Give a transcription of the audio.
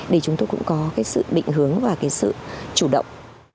để chúng tôi cũng có sự định hướng và sự chủ động